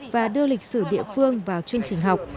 và đưa lịch sử địa phương vào chương trình học